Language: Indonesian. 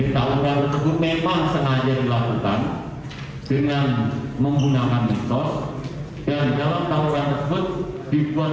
tujuannya apa tujuannya untuk mendapatkan viewers